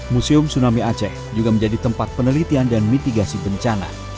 museum tsunami aceh juga menjadi tempat penelitian dan mitigasi bencana